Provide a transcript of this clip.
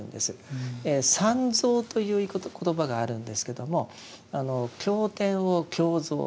「三蔵」という言葉があるんですけども経典を「経蔵」